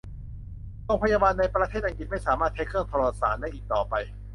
โรงพยาบาลในประเทศอังกฤษไม่สามารถใช้เครื่องโทรสารได้อีกต่อไป